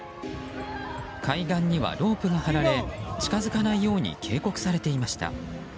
海岸にはロープが張られ近づかないように警告されていました。